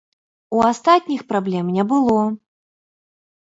У астатніх праблем не было.